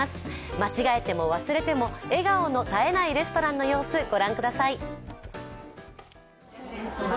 間違えても忘れても笑顔の絶えないレストランの様子ご覧ください。